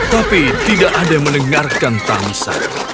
tapi tidak ada yang mendengarkan tangisan